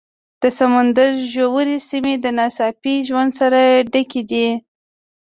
د سمندر ژورې سیمې د ناڅاپي ژوند سره ډکې دي.